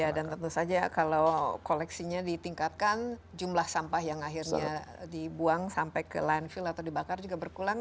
ya dan tentu saja kalau koleksinya ditingkatkan jumlah sampah yang akhirnya dibuang sampai ke landfill atau dibakar juga berkurang